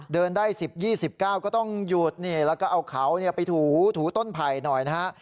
เดินได้สิบยี่สิบเก้าก็ต้องหยุดเนี่ยแล้วก็เอาเขาเนี่ยไปถูถูต้นไผ่หน่อยนะฮะ